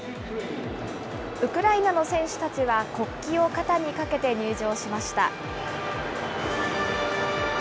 ウクライナの選手たちは国旗を肩にかけて入場しました。